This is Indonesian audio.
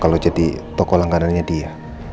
kalau jadi toko langganannya dia